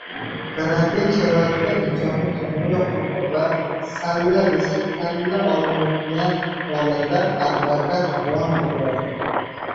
Karantin sharoitida insonning himoya huquqi va «salla desa, kalla olinayotgan» holatlar - Advokat bong uradi